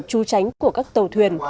tru tránh của các tàu thuyền